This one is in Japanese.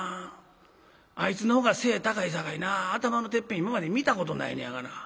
あいつの方が背ぇ高いさかいな頭のてっぺん今まで見たことないねやがな。